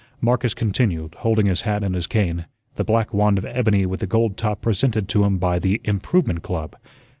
Marcus continued, holding his hat and his cane the black wand of ebony with the gold top presented to him by the "Improvement Club."